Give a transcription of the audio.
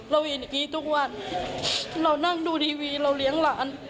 เราเห็นอย่างนี้ทุกวันเรานั่งดูทีวีเราเลี้ยงหลาน